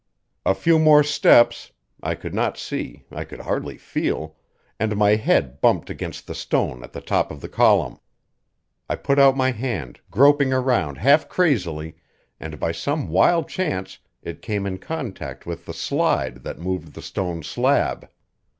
A few more steps I could not see, I could hardly feel and my head bumped against the stone at the top of the column. I put out my hand, groping around half crazily, and by some wild chance it came in contact with the slide that moved the stone stab.